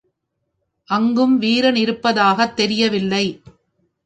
அங்கும் வீரன் இருப்பதாகத் தெரியவில்லை.